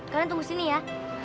kalian tunggu sini ya